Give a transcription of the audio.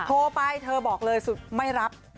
โทรไปเธอบอกเลยสุดไม่รับ